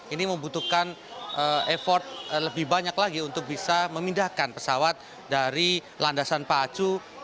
ini membutuhkan effort lebih banyak lagi untuk bisa memindahkan pesawat dari landasan pacu